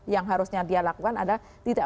yang harusnya dia lakukan adalah tidak